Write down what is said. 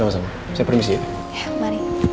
saya permisi ya